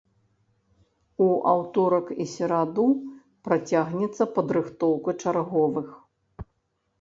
У аўторак і сераду працягнецца падрыхтоўка чарговых.